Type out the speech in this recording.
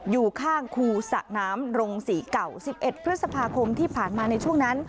อยู่ข้างคูสระน้ำโรงศรีเก่า๑๑พฤษภาคมที่ผ่านมาในช่วงนั้น